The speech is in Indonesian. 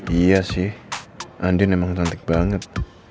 iya sih andin emang cantik banget